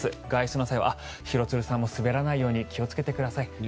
外出の際は廣津留さんも滑らないように気をつけてください。